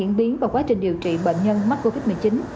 theo tháp tầng điều trị từ tầng một đến tầng hai năm